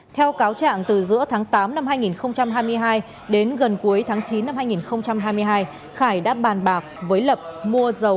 theo cáo trạng từ giữa tháng tám năm hai nghìn hai mươi hai đến gần cuối tháng chín năm hai nghìn hai mươi hai